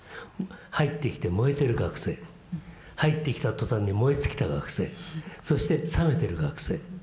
入ってきて燃えてる学生入ってきた途端に燃え尽きた学生そして冷めてる学生。